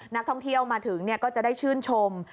นักท่องเที่ยวมาถึงก็จะได้ชื่นชม